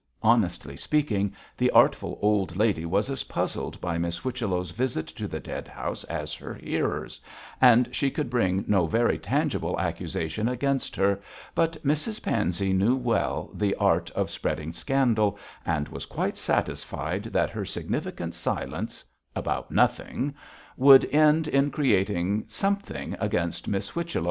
Honestly speaking, the artful old lady was as puzzled by Miss Whichello's visit to the dead house as her hearers, and she could bring no very tangible accusation against her, but Mrs Pansey well knew the art of spreading scandal, and was quite satisfied that her significant silence about nothing would end in creating something against Miss Whichello.